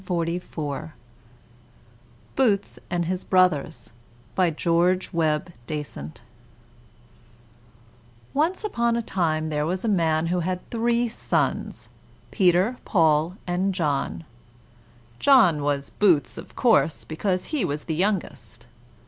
BOOTS AND HIS BROTHERS BY GEORGE WEBBE DASENT Once on a time there was a man who had three sons, Peter, Paul, and John. John was Boots, of course, because he was the youngest.